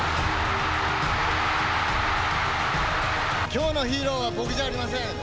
きょうのヒーローは僕じゃありません。